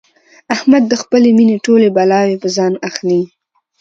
احمد د خپلې مینې ټولې بلاوې په ځان اخلي.